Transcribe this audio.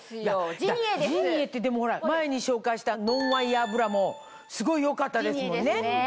ジニエって前に紹介したノンワイヤーブラもすごい良かったですもんね。